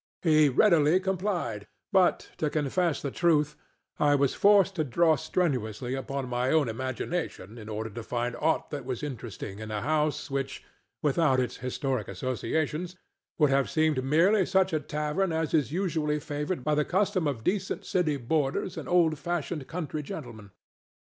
He readily complied, but, to confess the truth, I was forced to draw strenuously upon my imagination in order to find aught that was interesting in a house which, without its historic associations, would have seemed merely such a tavern as is usually favored by the custom of decent city boarders and old fashioned country gentlemen.